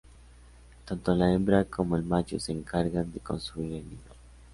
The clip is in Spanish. Tanto la hembra como el macho se encargan de construir el nido.